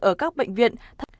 ở các bệnh viện